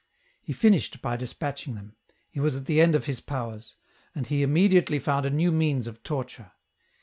He finished by despatching them ; he was at the end of his powers. And he immediately found a new means of torture.